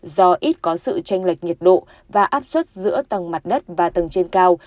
do ít có sự tranh lệch nhiệt độ và áp suất giữa tầng mặt đất và tầng trên cao